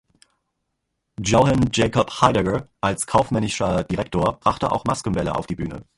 Johann Jacob Heidegger als kaufmännischer Direktor brachte auch Maskenbälle auf die Bühne.